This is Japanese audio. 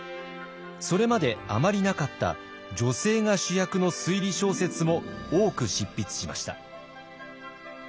それまであまりなかった女性が主役の推理小説も多く執筆しました。